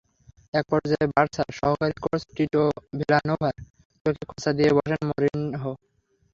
একপর্যায়ে বার্সার সহকারী কোচ টিটো ভিলানোভার চোখে খোঁচা দিয়ে বসেন মরিনহো।